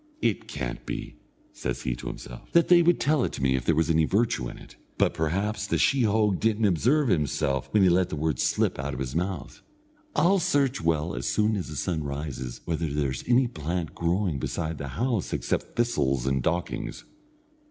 "It can't be," says he to himself, "that they would tell it to me, if there was any virtue in it; but perhaps the sheehogue didn't observe himself when he let the word slip out of his mouth. I'll search well as soon as the sun rises, whether there's any plant growing beside the house except thistles and dockings."